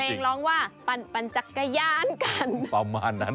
เพลงร้องว่าปั่นจักรยานกัน